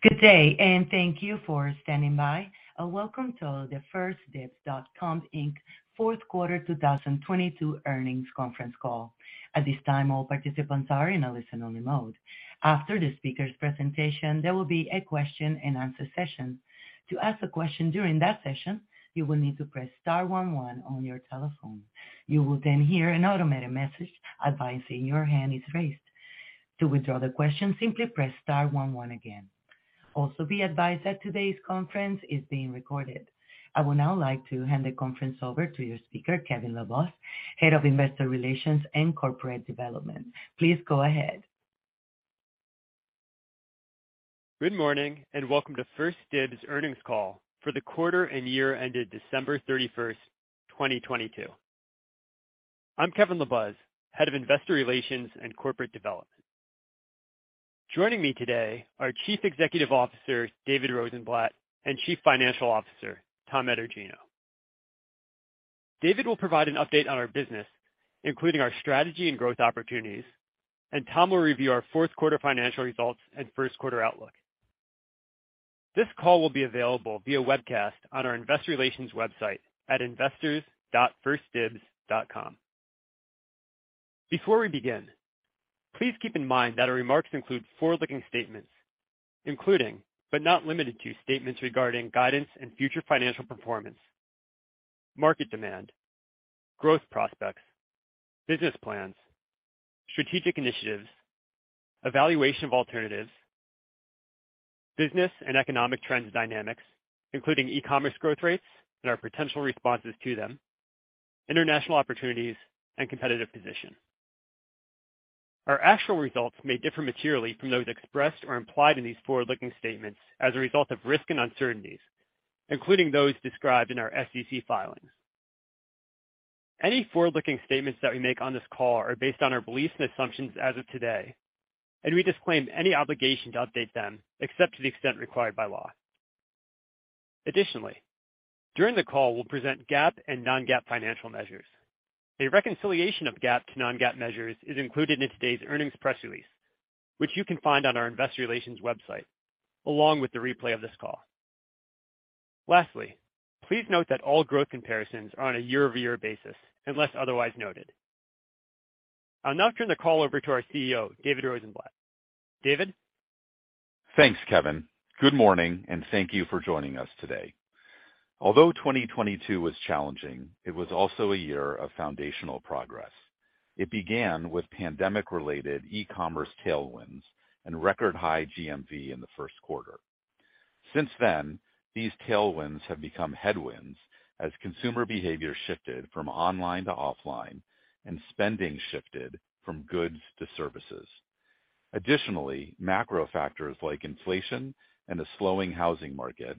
Good day, and thank you for standing by, and welcome to the 1stDibs.com, Inc. Fourth Quarter 2022 Earnings Conference Call. At this time, all participants are in a listen-only mode. After the speaker's presentation, there will be a question-and-answer session. To ask a question during that session, you will need to press star one one on your telephone. You will then hear an automated message advising your hand is raised. To withdraw the question, simply press star one one again. Also, be advised that today's conference is being recorded. I would now like to hand the conference over to your speaker, Kevin LaBuz, Head of Investor Relations and Corporate Development. Please go ahead. Good morning, and welcome to 1stDibs earnings call for the quarter and year ended December 31st, 2022. I'm Kevin LaBuz, head of investor relations and corporate development. Joining me today are Chief Executive Officer, David Rosenblatt, and Chief Financial Officer, Tom Etergino. David will provide an update on our business, including our strategy and growth opportunities, and Tom will review our fourth quarter financial results and first quarter outlook. This call will be available via webcast on our investor relations website at investors.1stDibs.com. Before we begin, please keep in mind that our remarks include forward-looking statements, including, but not limited to, statements regarding guidance and future financial performance, market demand, growth prospects, business plans, strategic initiatives, evaluation of alternatives, business and economic trends dynamics, including e-commerce growth rates and our potential responses to them, international opportunities, and competitive position. Our actual results may differ materially from those expressed or implied in these forward-looking statements as a result of risks and uncertainties, including those described in our SEC filings. Any forward-looking statements that we make on this call are based on our beliefs and assumptions as of today, and we disclaim any obligation to update them except to the extent required by law. Additionally, during the call, we'll present GAAP and non-GAAP financial measures. A reconciliation of GAAP to non-GAAP measures is included in today's earnings press release, which you can find on our investor relations website, along with the replay of this call. Lastly, please note that all growth comparisons are on a year-over-year basis, unless otherwise noted. I'll now turn the call over to our CEO, David Rosenblatt. David? Thanks, Kevin. Good morning, and thank you for joining us today. Although 2022 was challenging, it was also a year of foundational progress. It began with pandemic-related e-commerce tailwinds and record high GMV in the first quarter. Since then, these tailwinds have become headwinds as consumer behavior shifted from online to offline and spending shifted from goods to services. Additionally, macro factors like inflation and a slowing housing market,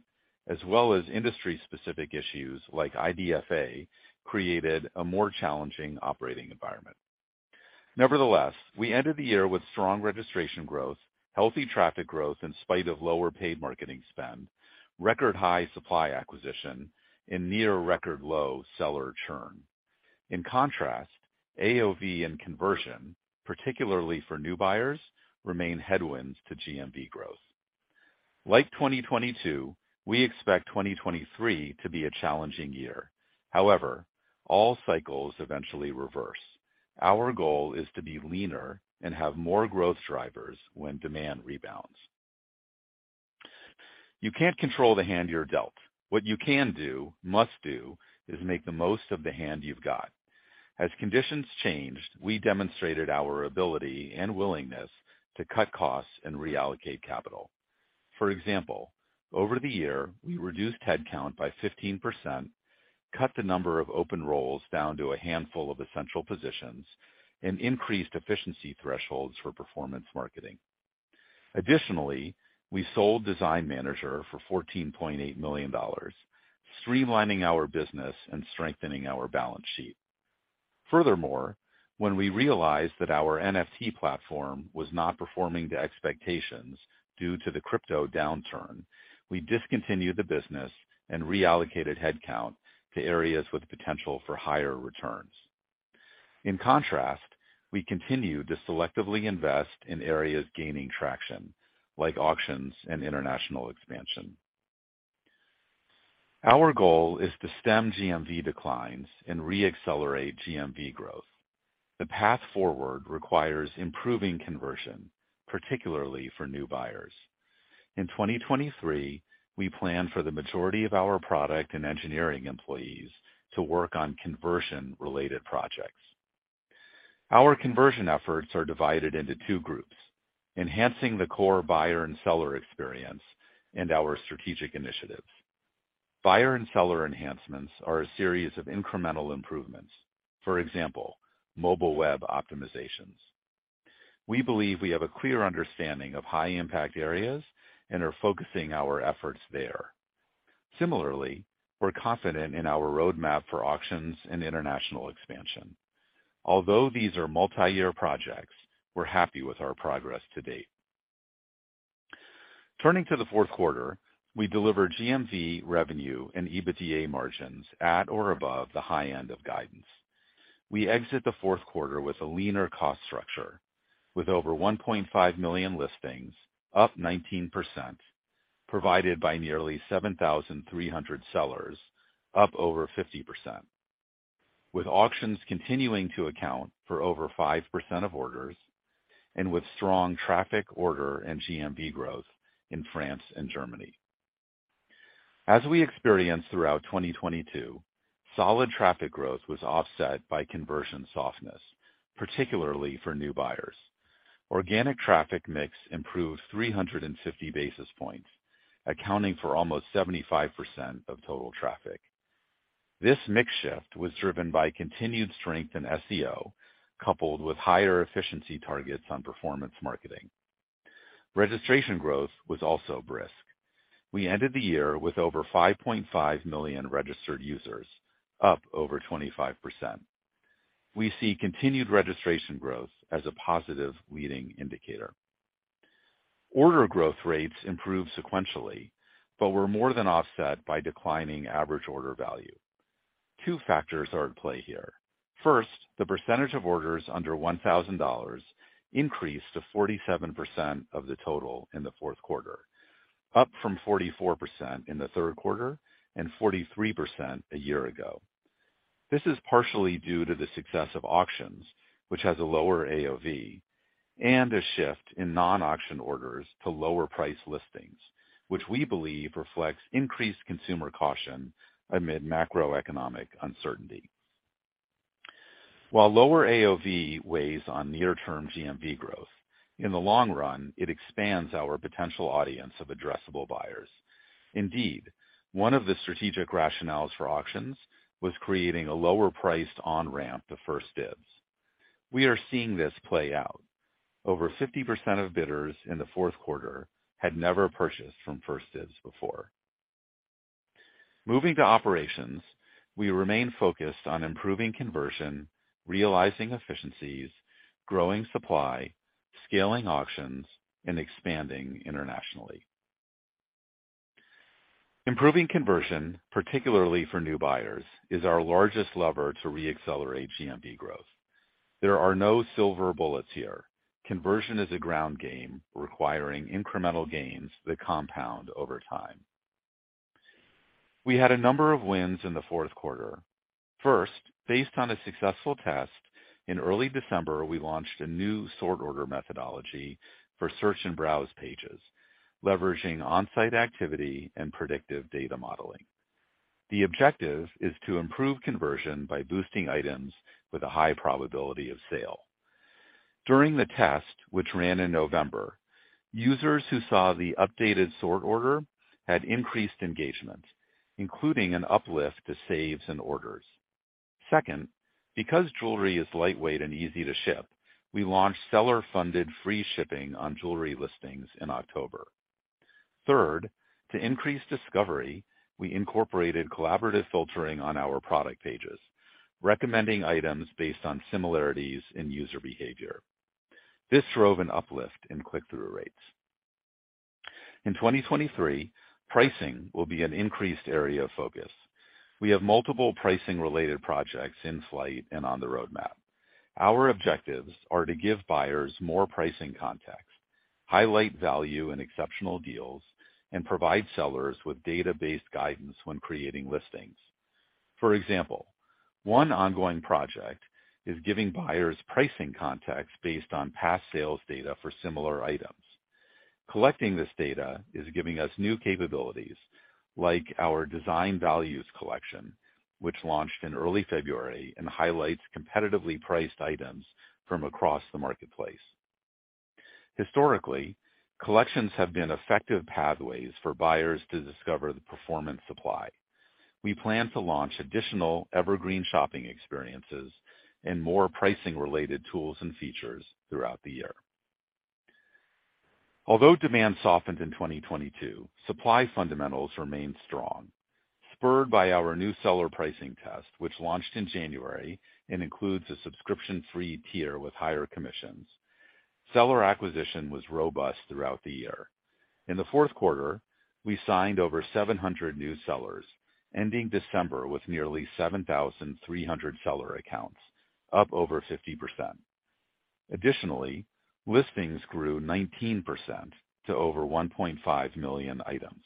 as well as industry specific issues like IDFA, created a more challenging operating environment. Nevertheless, we ended the year with strong registration growth, healthy traffic growth in spite of lower paid marketing spend, record high supply acquisition and near record low seller churn. In contrast, AOV and conversion, particularly for new buyers, remain headwinds to GMV growth. Like 2022, we expect 2023 to be a challenging year. All cycles eventually reverse. Our goal is to be leaner and have more growth drivers when demand rebounds. You can't control the hand you're dealt. What you can do, must do, is make the most of the hand you've got. As conditions changed, we demonstrated our ability and willingness to cut costs and reallocate capital. For example, over the year, we reduced head count by 15%, cut the number of open roles down to a handful of essential positions, and increased efficiency thresholds for performance marketing. Additionally, we sold Design Manager for $14.8 million, streamlining our business and strengthening our balance sheet. Furthermore, when we realized that our NFT platform was not performing to expectations due to the crypto downturn, we discontinued the business and reallocated headcount to areas with potential for higher returns. In contrast, we continue to selectively invest in areas gaining traction, like auctions and international expansion. Our goal is to stem GMV declines and re-accelerate GMV growth. The path forward requires improving conversion, particularly for new buyers. In 2023, we plan for the majority of our product and engineering employees to work on conversion related projects. Our conversion efforts are divided into two groups, enhancing the core buyer and seller experience and our strategic initiatives. Buyer and seller enhancements are a series of incremental improvements. For example, mobile web optimizations. We believe we have a clear understanding of high impact areas and are focusing our efforts there. Similarly, we're confident in our roadmap for auctions and international expansion. Although these are multi-year projects, we're happy with our progress to date. Turning to the fourth quarter, we delivered GMV revenue and EBITDA margins at or above the high end of guidance. We exit the fourth quarter with a leaner cost structure with over 1.5 million listings, up 19%, provided by nearly 7,300 sellers, up over 50%, with auctions continuing to account for over 5% of orders and with strong traffic order and GMV growth in France and Germany. As we experienced throughout 2022, solid traffic growth was offset by conversion softness, particularly for new buyers. Organic traffic mix improved 350 basis points, accounting for almost 75% of total traffic. This mix shift was driven by continued strength in SEO, coupled with higher efficiency targets on performance marketing. Registration growth was also brisk. We ended the year with over 5.5 million registered users, up over 25%. We see continued registration growth as a positive leading indicator. Order growth rates improved sequentially, were more than offset by declining average order value. Two factors are at play here. First, the percentage of orders under $1,000 increased to 47% of the total in the fourth quarter, up from 44% in the third quarter and 43% a year ago. This is partially due to the success of auctions, which has a lower AOV and a shift in non-auction orders to lower price listings, which we believe reflects increased consumer caution amid macroeconomic uncertainty. While lower AOV weighs on near term GMV growth, in the long run, it expands our potential audience of addressable buyers. Indeed, one of the strategic rationales for auctions was creating a lower priced on-ramp to 1stDibs. We are seeing this play out. Over 50% of bidders in the fourth quarter had never purchased from 1stDibs before. Moving to operations, we remain focused on improving conversion, realizing efficiencies, growing supply, scaling auctions, and expanding internationally. Improving conversion, particularly for new buyers, is our largest lever to re-accelerate GMV growth. There are no silver bullets here. Conversion is a ground game requiring incremental gains that compound over time. We had a number of wins in the fourth quarter. First, based on a successful test, in early December, we launched a new sort order methodology for search and browse pages, leveraging on-site activity and predictive data modeling. The objective is to improve conversion by boosting items with a high probability of sale. During the test, which ran in November, users who saw the updated sort order had increased engagement, including an uplift to saves and orders. Second, because jewelry is lightweight and easy to ship, we launched seller-funded free shipping on jewelry listings in October. Third, to increase discovery, we incorporated collaborative filtering on our product pages, recommending items based on similarities in user behavior. This drove an uplift in click-through rates. In 2023, pricing will be an increased area of focus. We have multiple pricing related projects in flight and on the roadmap. Our objectives are to give buyers more pricing context, highlight value in exceptional deals, and provide sellers with data-based guidance when creating listings. For example, one ongoing project is giving buyers pricing context based on past sales data for similar items. Collecting this data is giving us new capabilities like our Design Values collection, which launched in early February and highlights competitively priced items from across the marketplace. Historically, collections have been effective pathways for buyers to discover the performance supply. We plan to launch additional evergreen shopping experiences and more pricing related tools and features throughout the year. Although demand softened in 2022, supply fundamentals remained strong. Spurred by our new seller pricing test, which launched in January and includes a subscription-free tier with higher commissions, seller acquisition was robust throughout the year. In the fourth quarter, we signed over 700 new sellers, ending December with nearly 7,300 seller accounts, up over 50%. Additionally, listings grew 19% to over 1.5 million items.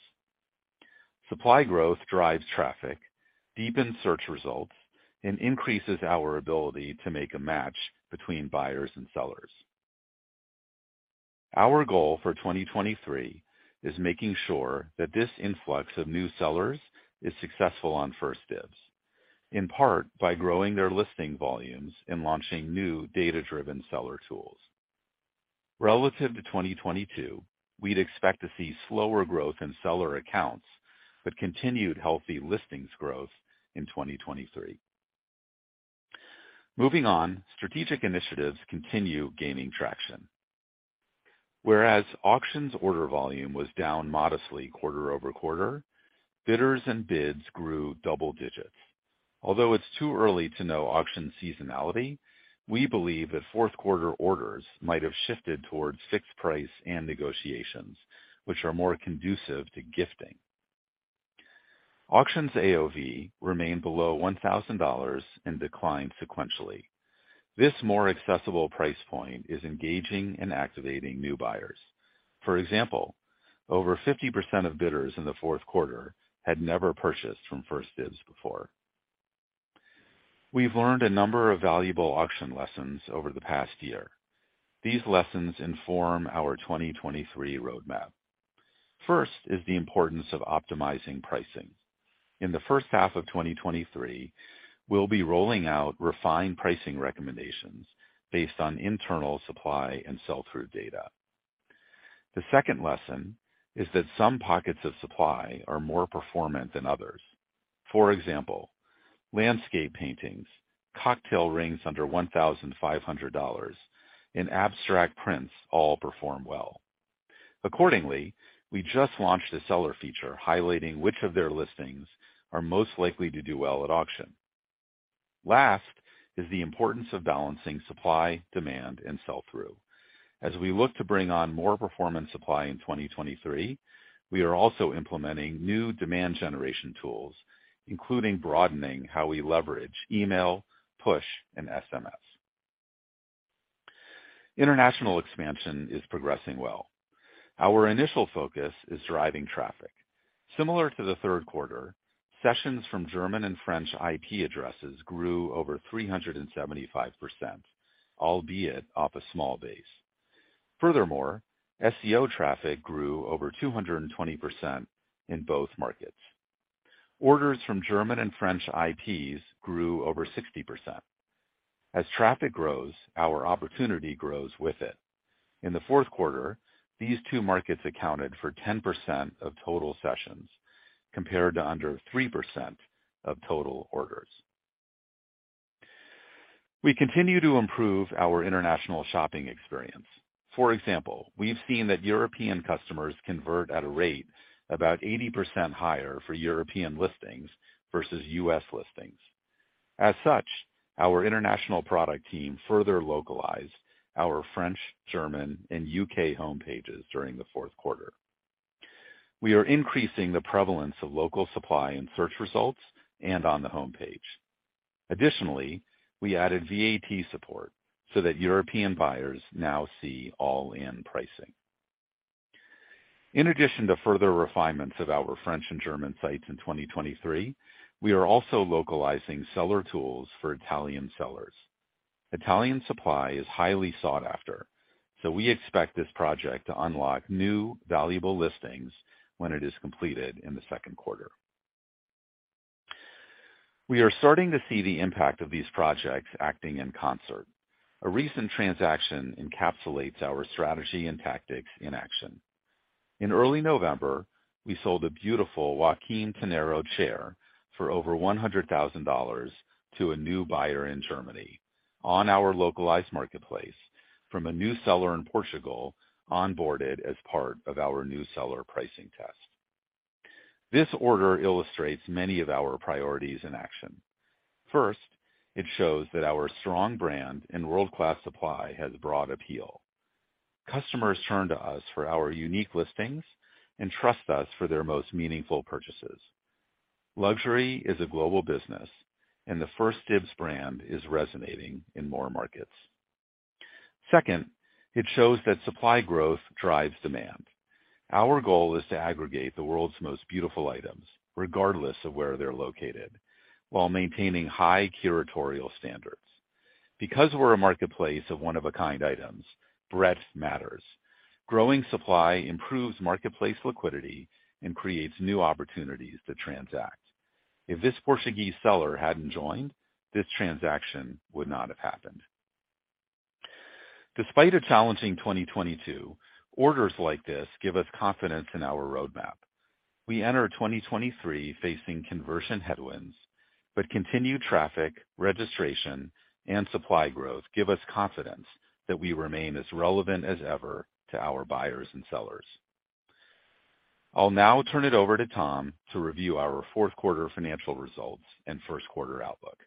Supply growth drives traffic, deepens search results, and increases our ability to make a match between buyers and sellers. Our goal for 2023 is making sure that this influx of new sellers is successful on 1stDibs, in part by growing their listing volumes and launching new data-driven seller tools. Relative to 2022, we'd expect to see slower growth in seller accounts, but continued healthy listings growth in 2023. Moving on, strategic initiatives continue gaining traction. Auctions order volume was down modestly quarter-over-quarter, bidders and bids grew double digits. Although it's too early to know auction seasonality, we believe that fourth quarter orders might have shifted towards fixed price and negotiations, which are more conducive to gifting. Auctions AOV remained below $1,000 and declined sequentially. This more accessible price point is engaging and activating new buyers. For example, over 50% of bidders in the fourth quarter had never purchased from 1stDibs before. We've learned a number of valuable auction lessons over the past year. These lessons inform our 2023 roadmap. First is the importance of optimizing pricing. In the first half of 2023, we'll be rolling out refined pricing recommendations based on internal supply and sell-through data. The second lesson is that some pockets of supply are more performant than others. For example, landscape paintings, cocktail rings under $1,500, and abstract prints all perform well. Accordingly, we just launched a seller feature highlighting which of their listings are most likely to do well at auction. Last is the importance of balancing supply, demand, and sell-through. As we look to bring on more performance supply in 2023, we are also implementing new demand generation tools, including broadening how we leverage email, push, and SMS. International expansion is progressing well. Our initial focus is driving traffic. Similar to the third quarter, sessions from German and French IP addresses grew over 375%, albeit off a small base. Furthermore, SEO traffic grew over 220% in both markets. Orders from German and French IPs grew over 60%. As traffic grows, our opportunity grows with it. In the fourth quarter, these two markets accounted for 10% of total sessions, compared to under 3% of total orders. We continue to improve our international shopping experience. For example, we've seen that European customers convert at a rate about 80% higher for European listings versus U.S. listings. As such, our international product team further localized our French, German, and U.K. homepages during the fourth quarter. We are increasing the prevalence of local supply in search results and on the homepage. We added VAT support so that European buyers now see all-in pricing. In addition to further refinements of our French and German sites in 2023, we are also localizing seller tools for Italian sellers. Italian supply is highly sought after, so we expect this project to unlock new, valuable listings when it is completed in the second quarter. We are starting to see the impact of these projects acting in concert. A recent transaction encapsulates our strategy and tactics in action. In early November, we sold a beautiful Joaquim Tenreiro chair for over $100,000 to a new buyer in Germany on our localized marketplace from a new seller in Portugal onboarded as part of our new seller pricing test. This order illustrates many of our priorities in action. First, it shows that our strong brand and world-class supply has broad appeal. Customers turn to us for our unique listings and trust us for their most meaningful purchases. Luxury is a global business, and the 1stDibs brand is resonating in more markets. Second, it shows that supply growth drives demand. Our goal is to aggregate the world's most beautiful items, regardless of where they're located, while maintaining high curatorial standards. Because we're a marketplace of one-of-a-kind items, breadth matters. Growing supply improves marketplace liquidity and creates new opportunities to transact. If this Portuguese seller hadn't joined, this transaction would not have happened. Despite a challenging 2022, orders like this give us confidence in our roadmap. We enter 2023 facing conversion headwinds, but continued traffic, registration, and supply growth give us confidence that we remain as relevant as ever to our buyers and sellers. I'll now turn it over to Tom to review our fourth quarter financial results and first quarter outlook.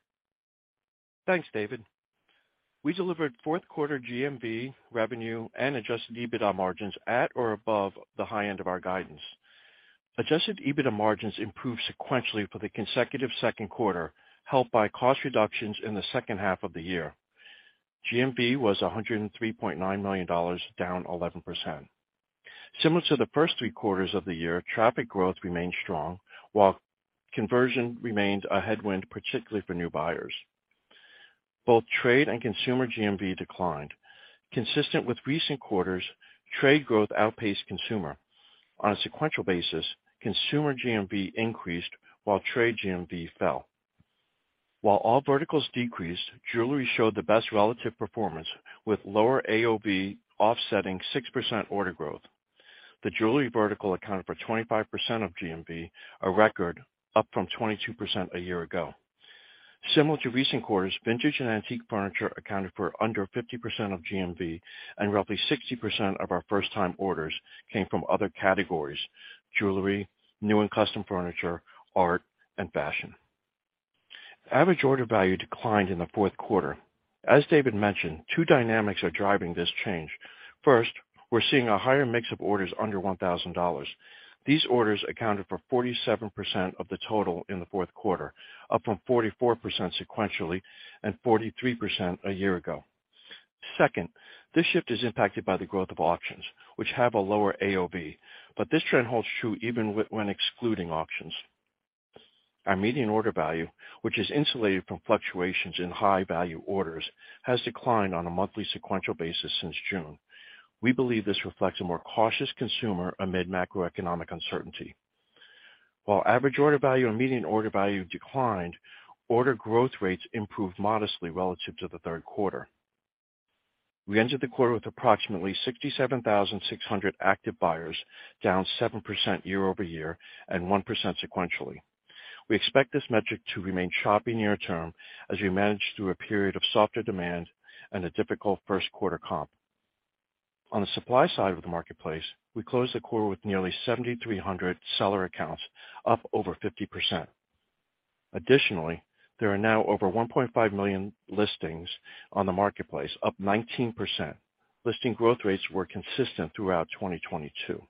Thanks, David. We delivered fourth quarter GMV, revenue, and adjusted EBITDA margins at or above the high end of our guidance. Adjusted EBITDA margins improved sequentially for the consecutive second quarter, helped by cost reductions in the second half of the year. GMV was $103.9 million, down 11%. Similar to the first three quarters of the year, traffic growth remained strong, while conversion remained a headwind, particularly for new buyers. Both trade and consumer GMV declined. Consistent with recent quarters, trade growth outpaced consumer. On a sequential basis, consumer GMV increased while trade GMV fell. While all verticals decreased, jewelry showed the best relative performance with lower AOV offsetting 6% order growth. The jewelry vertical accounted for 25% of GMV, a record up from 22% a year ago. Similar to recent quarters, vintage and antique furniture accounted for under 50% of GMV, and roughly 60% of our first-time orders came from other categories, jewelry, new and custom furniture, art, and fashion. Average order value declined in the fourth quarter. As David mentioned, two dynamics are driving this change. First, we're seeing a higher mix of orders under $1,000. These orders accounted for 47% of the total in the fourth quarter, up from 44% sequentially and 43% a year ago. Second, this shift is impacted by the growth of auctions, which have a lower AOV. This trend holds true even when excluding auctions. Our median order value, which is insulated from fluctuations in high value orders, has declined on a monthly sequential basis since June. We believe this reflects a more cautious consumer amid macroeconomic uncertainty. While average order value and median order value declined, order growth rates improved modestly relative to the third quarter. We entered the quarter with approximately 67,600 active buyers, down 7% year-over-year and 1% sequentially. We expect this metric to remain choppy near term as we manage through a period of softer demand and a difficult first quarter comp. On the supply side of the marketplace, we closed the quarter with nearly 7,300 seller accounts, up over 50%. Additionally, there are now over 1.5 million listings on the marketplace, up 19%. Listing growth rates were consistent throughout 2022.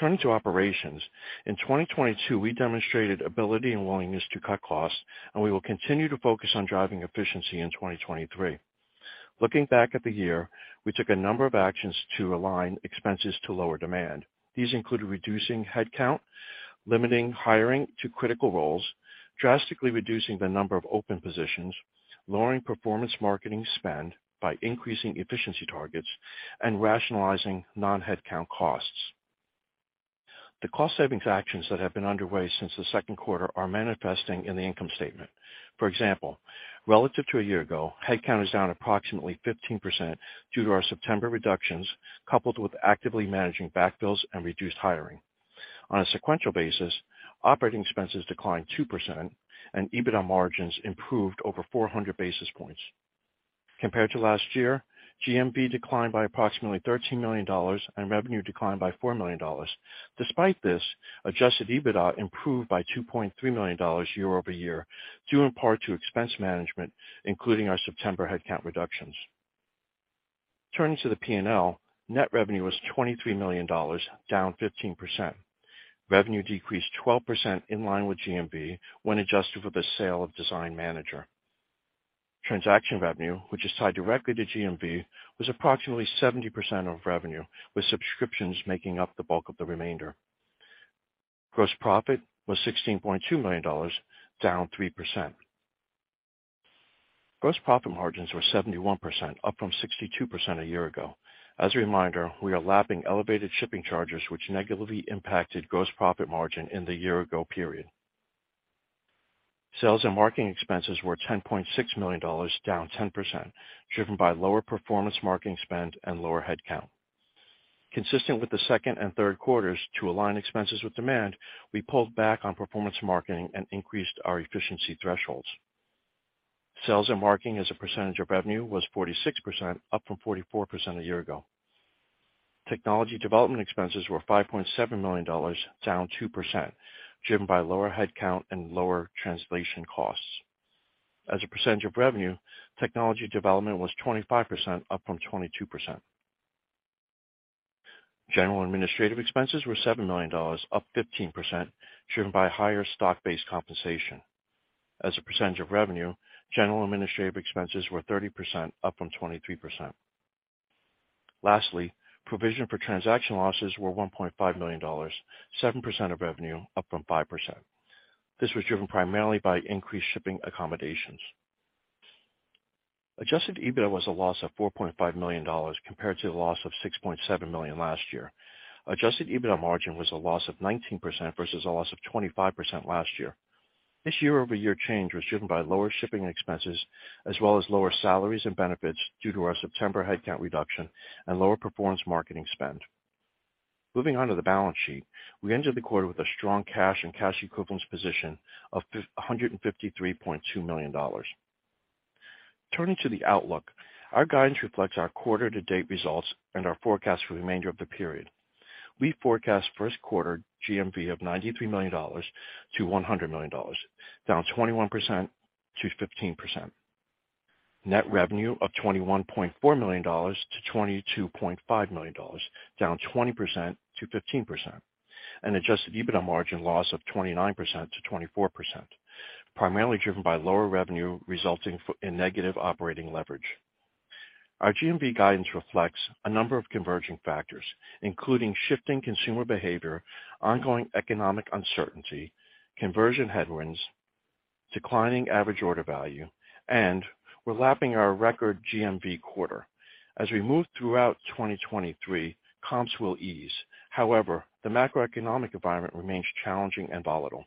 Turning to operations. In 2022, we demonstrated ability and willingness to cut costs, and we will continue to focus on driving efficiency in 2023. Looking back at the year, we took a number of actions to align expenses to lower demand. These included reducing headcount, limiting hiring to critical roles, drastically reducing the number of open positions, lowering performance marketing spend by increasing efficiency targets, and rationalizing non-headcount costs. The cost saving actions that have been underway since the second quarter are manifesting in the income statement. For example, relative to a year ago, headcount is down approximately 15% due to our September reductions, coupled with actively managing backfills and reduced hiring. On a sequential basis, operating expenses declined 2% and EBITDA margins improved over 400 basis points. Compared to last year, GMV declined by approximately $13 million and revenue declined by $4 million. Despite this, adjusted EBITDA improved by $2.3 million year-over-year, due in part to expense management, including our September headcount reductions. Turning to the P&L, net revenue was $23 million, down 15%. Revenue decreased 12% in line with GMV when adjusted for the sale of Design Manager. Transaction revenue, which is tied directly to GMV, was approximately 70% of revenue, with subscriptions making up the bulk of the remainder. Gross profit was $16.2 million, down 3%. Gross profit margins were 71%, up from 62% a year ago. As a reminder, we are lapping elevated shipping charges which negatively impacted gross profit margin in the year ago period. Sales and marketing expenses were $10.6 million, down 10%, driven by lower performance marketing spend and lower headcount. Consistent with the second and third quarters to align expenses with demand, we pulled back on performance marketing and increased our efficiency thresholds. Sales and marketing as a percentage of revenue was 46%, up from 44% a year ago. Technology development expenses were $5.7 million, down 2%, driven by lower headcount and lower translation costs. As a percentage of revenue, technology development was 25%, up from 22%. General and administrative expenses were $7 million, up 15%, driven by higher stock-based compensation. As a percentage of revenue, general and administrative expenses were 30%, up from 23%. Lastly, provision for transaction losses were $1.5 million, 7% of revenue, up from 5%. This was driven primarily by increased shipping accommodations. Adjusted EBITDA was a loss of $4.5 million compared to the loss of $6.7 million last year. Adjusted EBITDA margin was a loss of 19% versus a loss of 25% last year. This year-over-year change was driven by lower shipping expenses as well as lower salaries and benefits due to our September headcount reduction and lower performance marketing spend. Moving on to the balance sheet. We entered the quarter with a strong cash and cash equivalents position of $153.2 million. Turning to the outlook. Our guidance reflects our quarter to date results and our forecast for the remainder of the period. We forecast first quarter GMV of $93 million-$100 million, down 21%-15%. Net revenue of $21.4 million-$22.5 million, down 20%-15%. Adjusted EBITDA margin loss of 29%-24%, primarily driven by lower revenue resulting in negative operating leverage. Our GMV guidance reflects a number of converging factors, including shifting consumer behavior, ongoing economic uncertainty, conversion headwinds, declining average order value, and we're lapping our record GMV quarter. As we move throughout 2023, comps will ease. However, the macroeconomic environment remains challenging and volatile.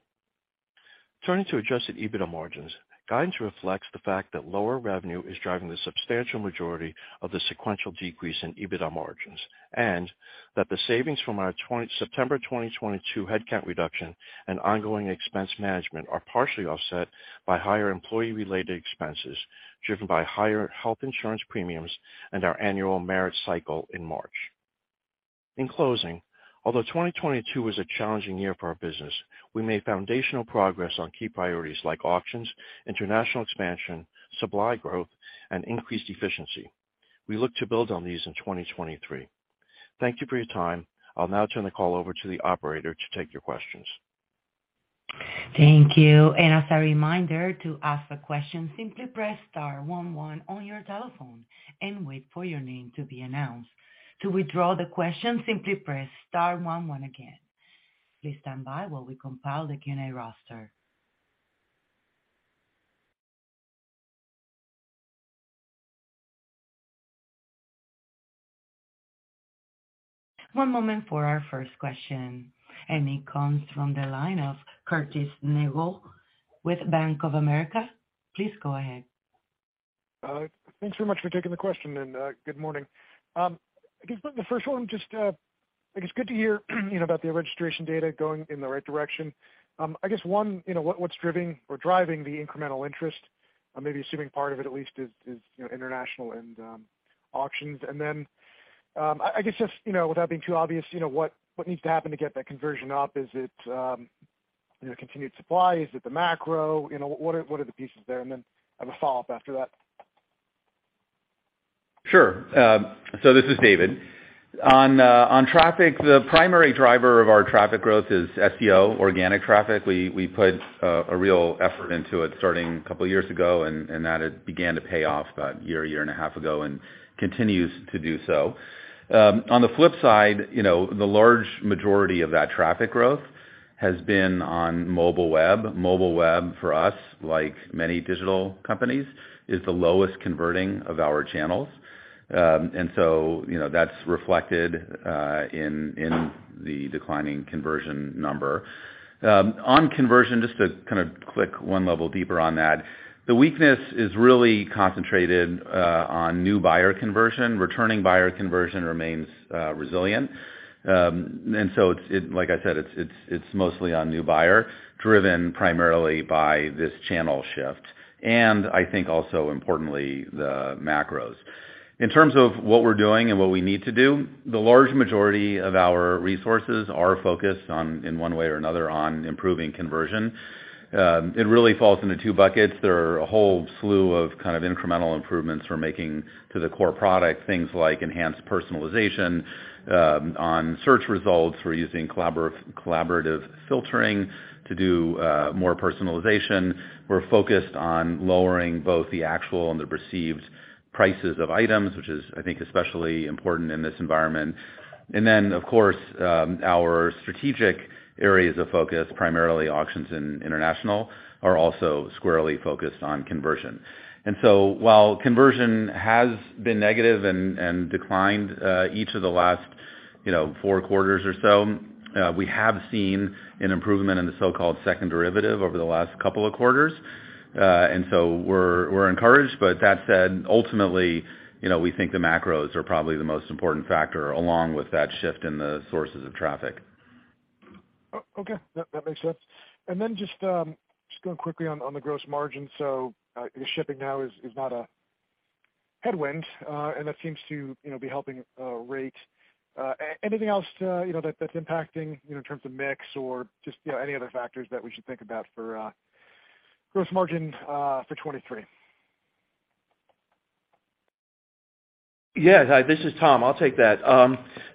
Turning to adjusted EBITDA margins. Guidance reflects the fact that lower revenue is driving the substantial majority of the sequential decrease in EBITDA margins, and that the savings from our September 2022 headcount reduction and ongoing expense management are partially offset by higher employee related expenses driven by higher health insurance premiums and our annual merit cycle in March. In closing, although 2022 was a challenging year for our business, we made foundational progress on key priorities like auctions, international expansion, supply growth, and increased efficiency. We look to build on these in 2023. Thank you for your time. I'll now turn the call over to the operator to take your questions. Thank you. As a reminder, to ask a question, simply press star one one on your telephone and wait for your name to be announced. To withdraw the question, simply press star one one again. Please stand by while we compile the Q&A roster. One moment for our first question. It comes from the line of Curtis Nagle with Bank of America. Please go ahead. Thanks so much for taking the question, good morning. I guess the first one just, I think it's good to hear, you know, about the registration data going in the right direction. I guess one, you know, what's driving the incremental interest, maybe assuming part of it at least is, you know, international and auctions. I guess just, you know, without being too obvious, you know, what needs to happen to get that conversion up? Is it, you know, continued supply? Is it the macro? You know, what are the pieces there? I have a follow-up after that. Sure. So this is David. On traffic, the primary driver of our traffic growth is SEO, organic traffic. We put a real effort into it starting a couple years ago, and that has began to pay off about a year, a year and a half ago, and continues to do so. On the flip side, you know, the large majority of that traffic growth has been on mobile web. Mobile web for us, like many digital companies, is the lowest converting of our channels. You know, that's reflected in the declining conversion number. On conversion, just to kind of click one level deeper on that, the weakness is really concentrated on new buyer conversion. Returning buyer conversion remains resilient. Like I said, it's mostly on new buyer, driven primarily by this channel shift, and I think also importantly, the macros. In terms of what we're doing and what we need to do, the large majority of our resources are focused on, in one way or another, on improving conversion. It really falls into two buckets. There are a whole slew of kind of incremental improvements we're making to the core product, things like enhanced personalization, on search results. We're using collaborative filtering to do more personalization. We're focused on lowering both the actual and the perceived prices of items, which is, I think, especially important in this environment. Of course, our strategic areas of focus, primarily auctions and international, are also squarely focused on conversion. While conversion has been negative and declined, each of the last, you know, four quarters or so, we have seen an improvement in the so-called second derivative over the last couple of quarters. We're encouraged. That said, ultimately, you know, we think the macros are probably the most important factor along with that shift in the sources of traffic. Okay. That makes sense. Then just going quickly on the gross margin. I guess shipping now is not a headwind, and that seems to, you know, be helping rate. Anything else, you know, that's impacting, you know, in terms of mix or just, you know, any other factors that we should think about for gross margin for 2023? Yeah. This is Tom, I'll take that.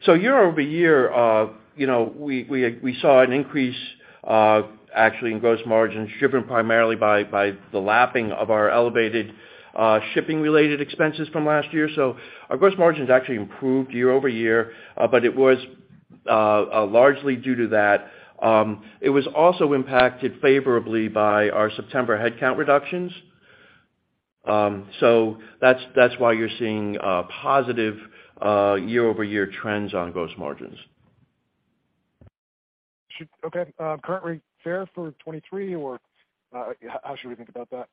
Year-over-year, you know, we saw an increase actually in gross margins driven primarily by the lapping of our elevated shipping-related expenses from last year. Our gross margins actually improved year-over-year, but it was largely due to that. It was also impacted favorably by our September headcount reductions. That's why you're seeing positive year-over-year trends on gross margins. Okay. Currently fair for 2023, or, how should we think about that?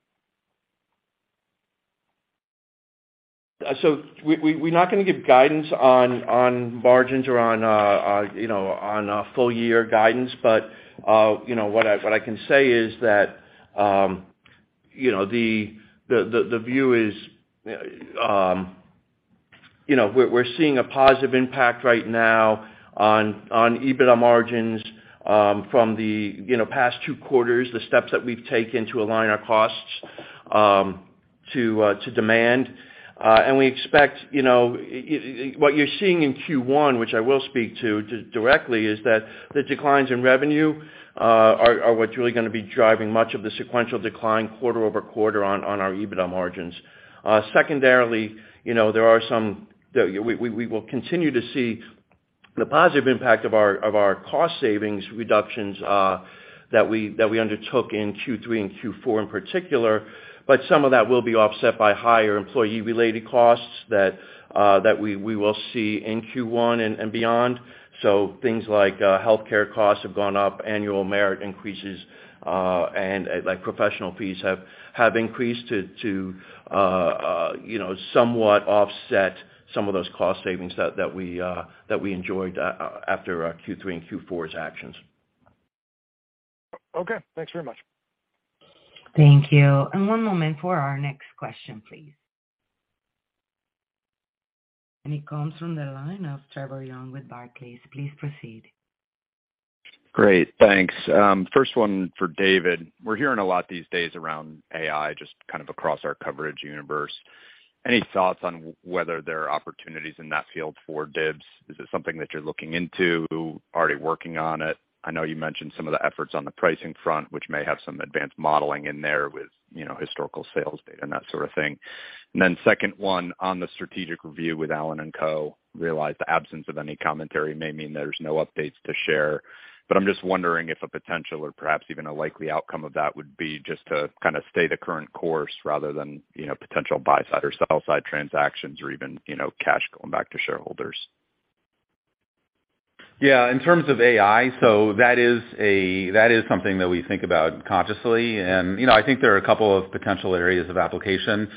We're not gonna give guidance on margins or on, you know, on a full year guidance. You know, what I can say is that, you know, the view is, you know, we're seeing a positive impact right now on EBITDA margins from the, you know, past two quarters, the steps that we've taken to align our costs to demand. We expect, you know, what you're seeing in Q1, which I will speak to directly, is that the declines in revenue are what's really gonna be driving much of the sequential decline quarter-over-quarter on our EBITDA margins. Secondarily, you know, there are some, we will continue to see the positive impact of our cost savings reductions that we undertook in Q3 and Q4 in particular, but some of that will be offset by higher employee-related costs that we will see in Q1 and beyond. Things like healthcare costs have gone up, annual merit increases, and like professional fees have increased to, you know, somewhat offset some of those cost savings that we enjoyed after Q3 and Q4's actions. Okay. Thanks very much. Thank you. One moment for our next question, please. It comes from the line of Trevor Young with Barclays. Please proceed. Great, thanks. First one for David. We're hearing a lot these days around AI, just kind of across our coverage universe. Any thoughts on whether there are opportunities in that field for Dibs? Is it something that you're looking into? Already working on it? I know you mentioned some of the efforts on the pricing front, which may have some advanced modeling in there with, you know, historical sales data and that sort of thing. Second one, on the strategic review with Allen & Co., realize the absence of any commentary may mean there's no updates to share. I'm just wondering if a potential or perhaps even a likely outcome of that would be just to kind of stay the current course rather than, you know, potential buy-side or sell-side transactions or even, you know, cash going back to shareholders. Yeah. In terms of AI, that is something that we think about consciously. You know, I think there are a couple of potential areas of application.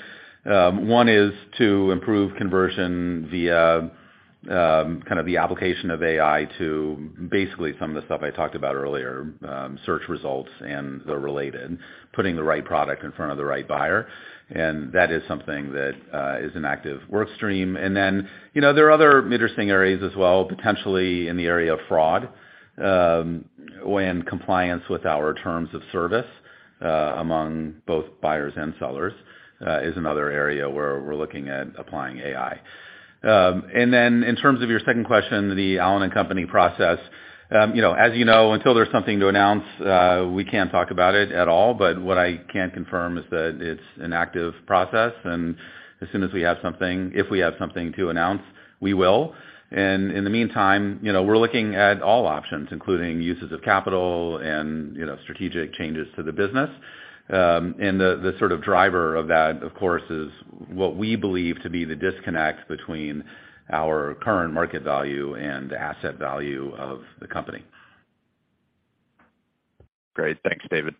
One is to improve conversion via kind of the application of AI to basically some of the stuff I talked about earlier, search results and the related, putting the right product in front of the right buyer. That is something that is an active work stream. You know, there are other interesting areas as well, potentially in the area of fraud, when compliance with our terms of service among both buyers and sellers is another area where we're looking at applying AI. In terms of your second question, the Allen & Company process. You know, as you know, until there's something to announce, we can't talk about it at all. What I can confirm is that it's an active process, and as soon as we have something, if we have something to announce, we will. In the meantime, you know, we're looking at all options, including uses of capital and, you know, strategic changes to the business. The, the sort of driver of that, of course, is what we believe to be the disconnect between our current market value and the asset value of the company. Great. Thanks, David.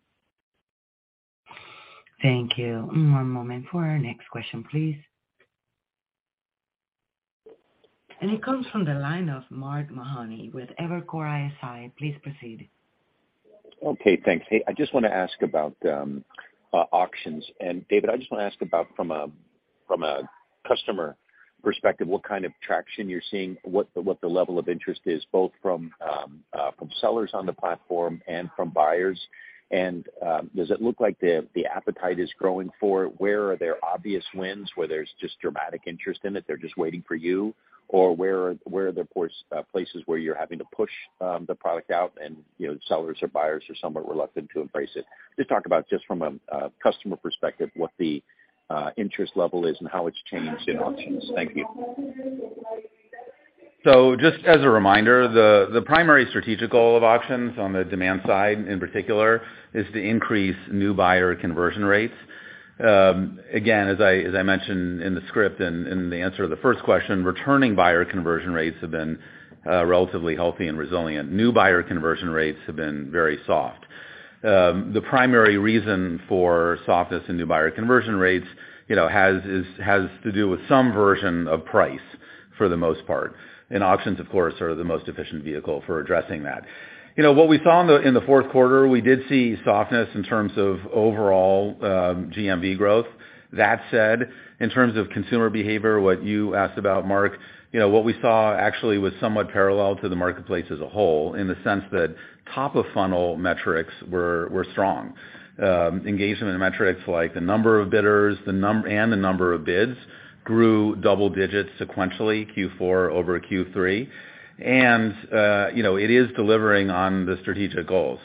Thank you. One moment for our next question, please. It comes from the line of Mark Mahaney with Evercore ISI. Please proceed. Okay, thanks. Hey, I just want to ask about auctions. David, I just want to ask about from a customer perspective, what kind of traction you're seeing, what the level of interest is, both from sellers on the platform and from buyers. Does it look like the appetite is growing for it? Where are there obvious wins, where there's just dramatic interest in it, they're just waiting for you? Or where are the poor places where you're having to push the product out and, you know, sellers or buyers are somewhat reluctant to embrace it? Just talk about just from a customer perspective, what the interest level is and how it's changed in auctions. Thank you. Just as a reminder, the primary strategic goal of auctions on the demand side in particular is to increase new buyer conversion rates. Again, as I mentioned in the script and in the answer to the first question, returning buyer conversion rates have been relatively healthy and resilient. New buyer conversion rates have been very soft. The primary reason for softness in new buyer conversion rates, you know, has to do with some version of price for the most part. Auctions, of course, are the most efficient vehicle for addressing that. You know, what we saw in the fourth quarter, we did see softness in terms of overall GMV growth. That said, in terms of consumer behavior, what you asked about Mark, you know, what we saw actually was somewhat parallel to the marketplace as a whole in the sense that top of funnel metrics were strong. Engagement and metrics like the number of bidders, and the number of bids grew double digits sequentially Q4 over Q3. You know, it is delivering on the strategic goal.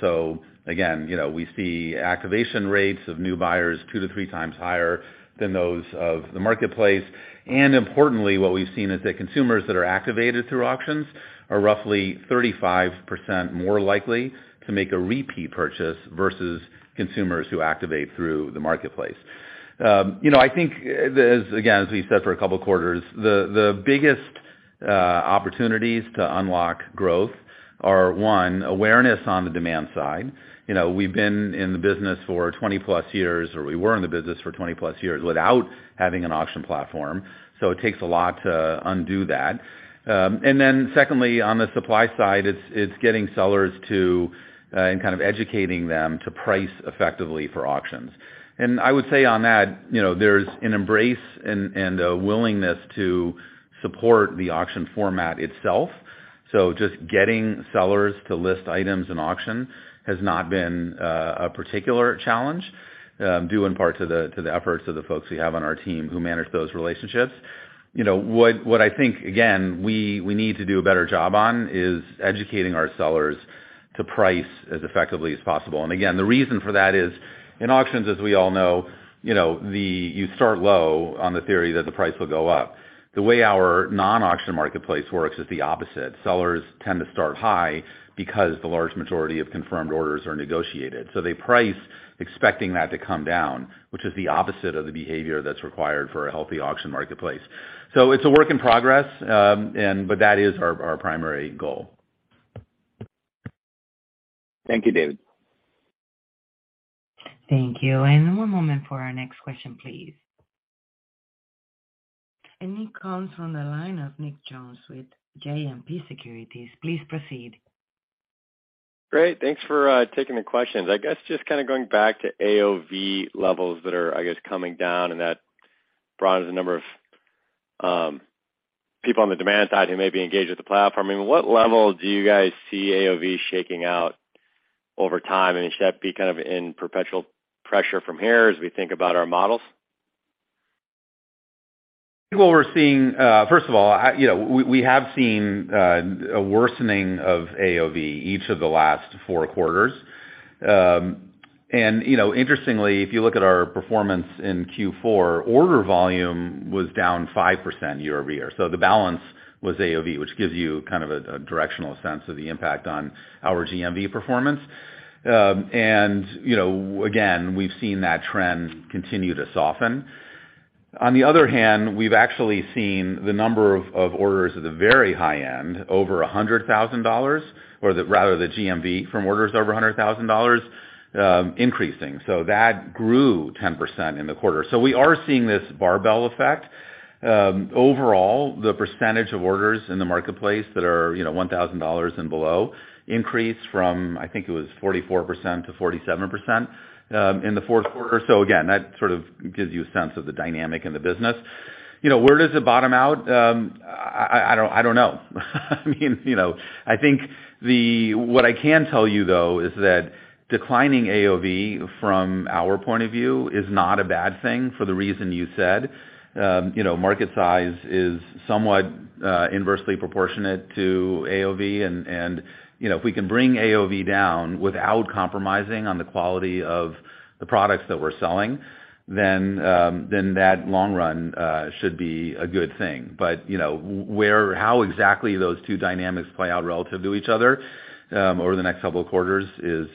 Again, you know, we see activation rates of new buyers 2x-3x higher than those of the marketplace. Importantly, what we've seen is that consumers that are activated through auctions are roughly 35% more likely to make a repeat purchase versus consumers who activate through the marketplace. You know, I think again, as we said for a couple quarters, the biggest opportunities to unlock growth are, one, awareness on the demand side. You know, we've been in the business for 20+ years, or we were in the business for 20+ years without having an auction platform. It takes a lot to undo that. Then secondly, on the supply side, it's getting sellers to and kind of educating them to price effectively for auctions. I would say on that, you know, there's an embrace and a willingness to support the auction format itself. Just getting sellers to list items in auction has not been a particular challenge, due in part to the efforts of the folks we have on our team who manage those relationships. You know, what I think, again, we need to do a better job on is educating our sellers to price as effectively as possible. Again, the reason for that is in auctions, as we all know, you know, you start low on the theory that the price will go up. The way our non-auction marketplace works is the opposite. Sellers tend to start high because the large majority of confirmed orders are negotiated. They price expecting that to come down, which is the opposite of the behavior that's required for a healthy auction marketplace. It's a work in progress. That is our primary goal. Thank you, David. Thank you. One moment for our next question, please. It comes from the line of Nick Jones with JMP Securities. Please proceed. Great. Thanks for taking the questions. I guess, just kind of going back to AOV levels that are, I guess, coming down and that broadens the number of people on the demand side who may be engaged with the platform. I mean, what level do you guys see AOV shaking out over time? Should that be kind of in perpetual pressure from here as we think about our models? What we're seeing, first of all, you know, we have seen a worsening of AOV each of the last four quarters. You know, interestingly, if you look at our performance in Q4, order volume was down 5% year-over-year. The balance was AOV, which gives you kind of a directional sense of the impact on our GMV performance. You know, again, we've seen that trend continue to soften. On the other hand, we've actually seen the number of orders at the very high end over $100,000, or rather the GMV from orders over $100,000, increasing. That grew 10% in the quarter. We are seeing this barbell effect. Overall, the percentage of orders in the marketplace that are, you know, $1,000 and below increased from, I think it was 44%-47% in the fourth quarter. Again, that sort of gives you a sense of the dynamic in the business. You know, where does it bottom out? I don't know. I mean, you know. What I can tell you though is that declining AOV from our point of view is not a bad thing for the reason you said. You know, market size is somewhat inversely proportionate to AOV and, you know, if we can bring AOV down without compromising on the quality of the products that we're selling, then that long run should be a good thing. But, you know, where or how exactly those two dynamics play out relative to each other, over the next couple of quarters is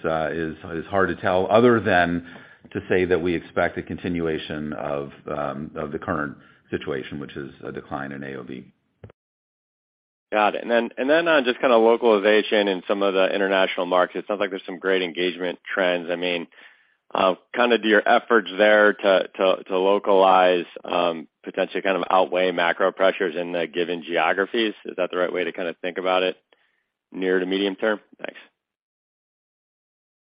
hard to tell other than to say that we expect a continuation of the current situation, which is a decline in AOV. Got it. Then, just kinda localization in some of the international markets. Sounds like there's some great engagement trends. I mean, kinda do your efforts there to localize, potentially kind of outweigh macro pressures in the given geographies. Is that the right way to kinda think about it near to medium term? Thanks.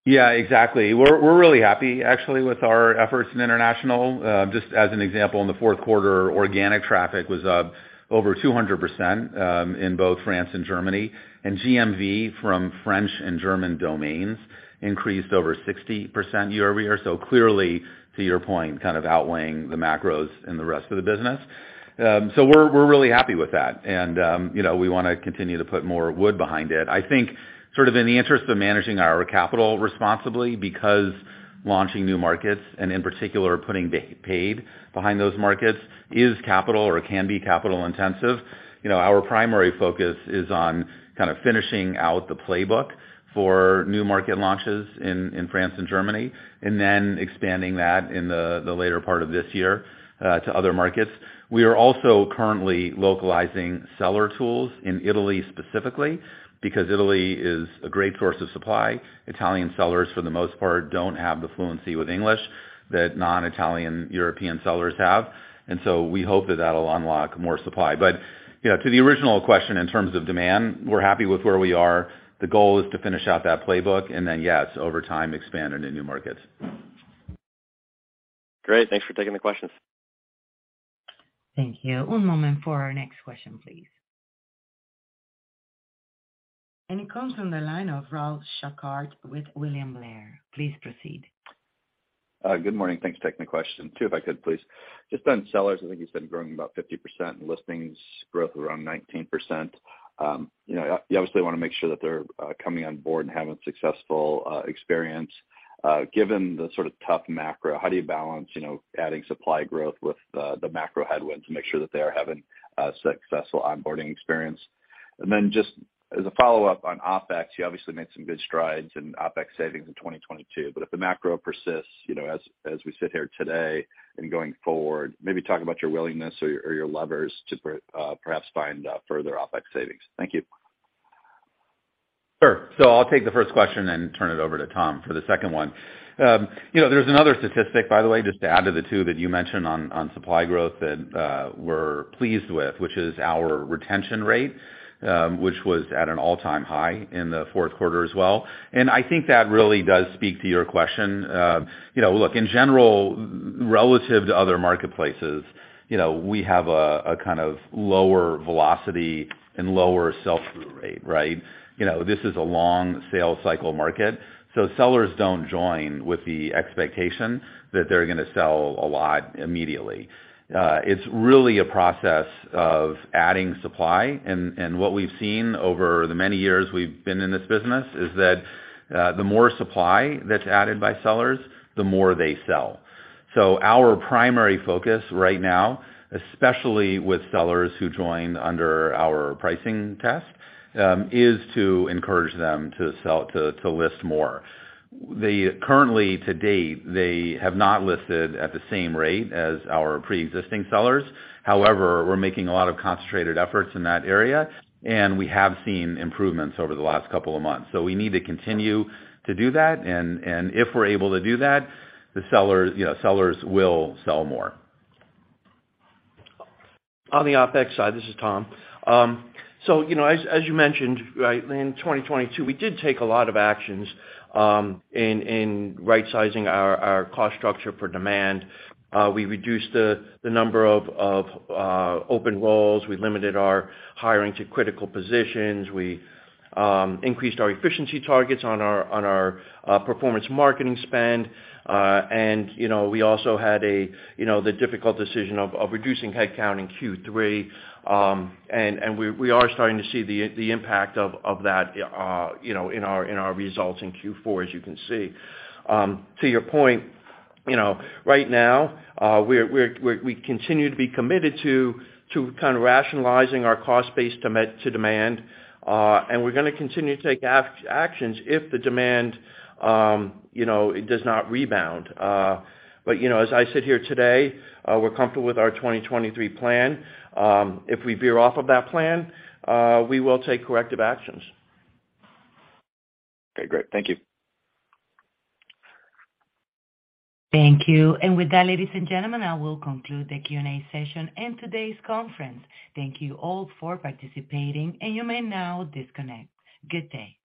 Yeah, exactly. We're really happy actually with our efforts in international. Just as an example, in the fourth quarter, organic traffic was up over 200% in both France and Germany, and GMV from French and German domains increased over 60% year-over-year. Clearly, to your point, kind of outweighing the macros in the rest of the business. We're really happy with that and, you know, we wanna continue to put more wood behind it. I think sort of in the interest of managing our capital responsibly because launching new markets, and in particular putting paid behind those markets is capital or can be capital intensive. You know, our primary focus is on kind of finishing out the playbook for new market launches in France and Germany, and then expanding that in the later part of this year to other markets. We are also currently localizing seller tools in Italy specifically because Italy is a great source of supply. Italian sellers for the most part, don't have the fluency with English that non-Italian European sellers have. We hope that that'll unlock more supply. You know, to the original question in terms of demand, we're happy with where we are. The goal is to finish out that playbook and then yes, over time, expand it in new markets. Great. Thanks for taking the questions. Thank you. One moment for our next question, please. It comes from the line of Ralph Schackart with William Blair. Please proceed. Good morning. Thanks for taking the question. Two if I could please. Just on sellers, I think it's been growing about 50% and listings growth around 19%. You know, you obviously wanna make sure that they're coming on board and having successful experience. Given the sort of tough macro, how do you balance, you know, adding supply growth with the macro headwinds to make sure that they're having a successful onboarding experience? Just as a follow-up on OpEx, you obviously made some good strides in OpEx savings in 2022. If the macro persists, you know, as we sit here today and going forward, maybe talk about your willingness or your levers to perhaps find further OpEx savings. Thank you. Sure. I'll take the first question and turn it over to Tom for the second one. You know, there's another statistic, by the way, just to add to the two that you mentioned on supply growth that we're pleased with, which is our retention rate, which was at an all-time high in the fourth quarter as well. I think that really does speak to your question. You know, look, in general, relative to other marketplaces, you know, we have a kind of lower velocity and lower sell-through rate, right? You know, this is a long sales cycle market, so sellers don't join with the expectation that they're gonna sell a lot immediately. It's really a process of adding supply and what we've seen over the many years we've been in this business is that the more supply that's added by sellers, the more they sell. Our primary focus right now, especially with sellers who join under our pricing test, is to encourage them to list more. They currently to date, they have not listed at the same rate as our preexisting sellers. However, we're making a lot of concentrated efforts in that area, and we have seen improvements over the last couple of months. We need to continue to do that and if we're able to do that, you know, sellers will sell more. On the OpEx side, this is Tom. You know, as you mentioned, right, in 2022, we did take a lot of actions in right sizing our cost structure for demand. We reduced the number of open roles. We limited our hiring to critical positions. We increased our efficiency targets on our performance marketing spend. You know, we also had a, you know, the difficult decision of reducing headcount in Q3. We are starting to see the impact of that, you know, in our results in Q4 as you can see. To your point, you know, right now, we continue to be committed to kind of rationalizing our cost base to demand, and we're gonna continue to take actions if the demand, you know, it does not rebound. You know, as I sit here today, we're comfortable with our 2023 plan. If we veer off of that plan, we will take corrective actions. Okay, great. Thank you. Thank you. With that, ladies and gentlemen, I will conclude the Q&A session and today's conference. Thank you all for participating, and you may now disconnect. Good day.